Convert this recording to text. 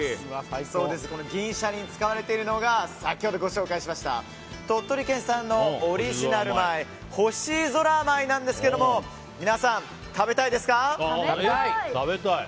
この銀シャリに使われているのが先ほどご紹介しました鳥取県産のオリジナル米星空舞なんですけれども皆さん、食べたいですか？